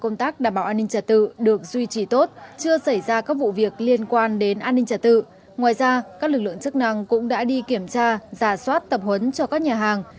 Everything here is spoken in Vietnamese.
ngoài ra các lực lượng chức năng cũng đã đi kiểm tra giả soát tập huấn cho các nhà hàng